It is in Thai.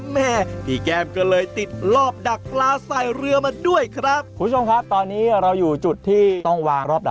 แม่พี่แก้มก็เลยติดรอบดักปลาใส่เรือมาด้วยครับ